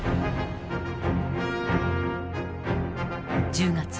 １０月。